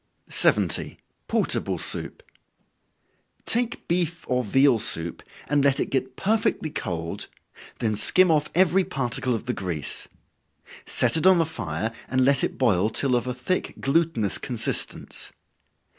70. Portable Soup. Take beef or veal soup, and let it get perfectly cold, then skim off every particle of the grease. Set it on the fire, and let it boil till of a thick glutinous consistence.